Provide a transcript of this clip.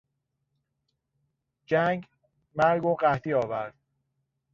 جنگ مرگ و قحطی آورد.